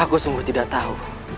aku sungguh tidak tahu